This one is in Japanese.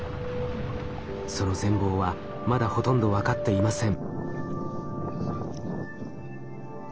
その全貌はまだほとんど分かっていません。